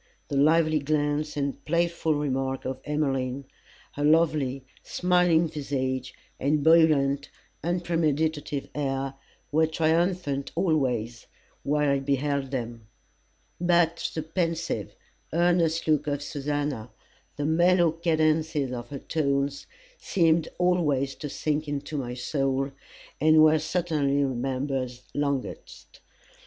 The lively glance and playful remark of Emmeline, her lovely, smiling visage, and buoyant, unpremeditative air, were triumphant always while I beheld them; but the pensive, earnest look of Susannah, the mellow cadences of her tones, seemed always to sink into my soul, and were certainly remembered longest.